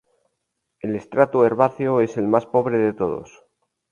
El estrato herbáceo es el más pobre de todos.